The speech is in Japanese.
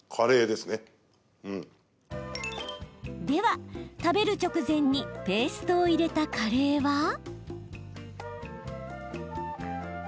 では、食べる直前にペーストを入れたカレーは？